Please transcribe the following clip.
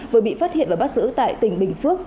vừa bị phát hiện và bắt giữ tại tỉnh bình phước